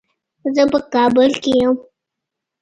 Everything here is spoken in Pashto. زه په کابل کې یم.